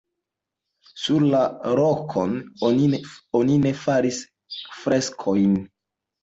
Sur la rokon oni ne faris freskojn.